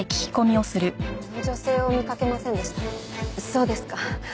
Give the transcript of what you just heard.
そうですか。